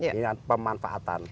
ini adalah pemanfaatan